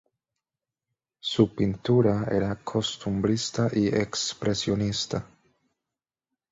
Su pintura era costumbrista y expresionista.